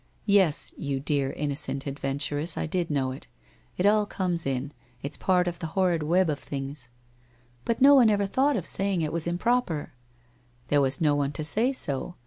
'' Yes, you dear innocent adventuress, I did know it. It all comes in. It's part cf the horrid web of things/ ' But, no one ever thought of saying it was improper/ ' There was no one to say so